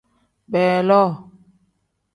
Beeloo.